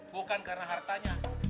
bukan karena hartanya